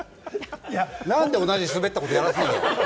何で同じスベったことやらせるのよ！